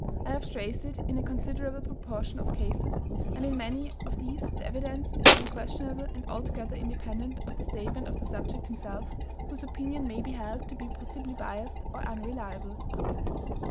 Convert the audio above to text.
I have traced it in a considerable proportion of cases, and in many of these the evidence is unquestionable and altogether independent of the statement of the subject himself, whose opinion may be held to be possibly biased or unreliable.